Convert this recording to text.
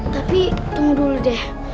tapi tunggu dulu deh